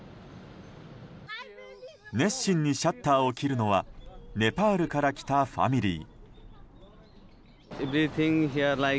熱心にシャッターを切るのはネパールから来たファミリー。